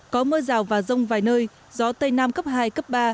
có mưa rào và rông vài nơi gió tây nam cấp hai cấp ba